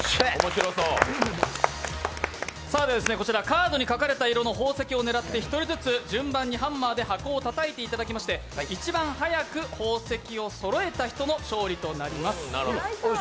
カードに書かれた色の宝石を狙って１人ずつ順番にハンマーで箱をたたいていただきまして一番早く宝石をそろえた人の勝利となります。